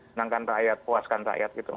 senangkan rakyat puaskan rakyat